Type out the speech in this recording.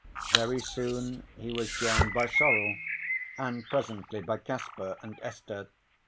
Very soon he was joined by Sorel, and presently by Kasper and Esther.